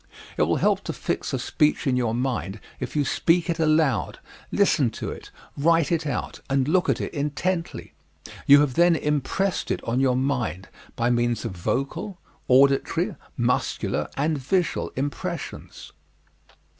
It will help to fix a speech in your mind if you speak it aloud, listen to it, write it out, and look at it intently. You have then impressed it on your mind by means of vocal, auditory, muscular and visual impressions.